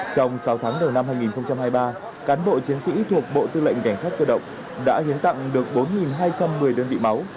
trong sáu tháng đầu năm hai nghìn hai mươi ba cán bộ chiến sĩ thuộc bộ tư lệnh cảnh sát cơ động đã hiến tặng được bốn hai trăm một mươi đơn vị máu